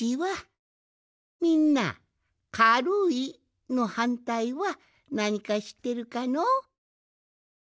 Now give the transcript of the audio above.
みんな「かるい」のはんたいはなにかしってるかの？